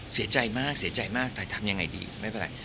เสียใจมากเสียใจมากแต่ทำยังไงดีไม่เป็นไร